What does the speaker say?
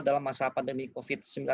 dalam masa pandemi covid sembilan belas